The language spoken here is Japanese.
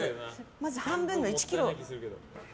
まず、半分の１ｋｇ。